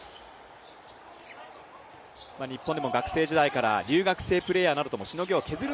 日本でも学生時代から留学生プレーヤーともしのぎを削る